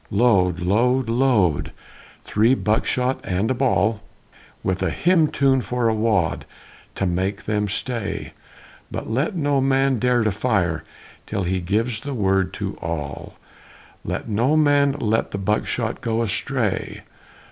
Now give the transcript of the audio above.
Load! Load! Load! Three buckshot and a ball, With a hymn tune for a wad to make them stay! But let no man dare to fire till he gives the word to all, Let no man let the buckshot go astray.